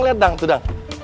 liat dang tuh dang